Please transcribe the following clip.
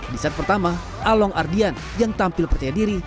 di set pertama along ardian yang tampil percaya diri